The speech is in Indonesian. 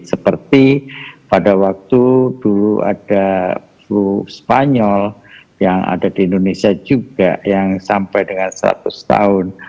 seperti pada waktu dulu ada flu spanyol yang ada di indonesia juga yang sampai dengan seratus tahun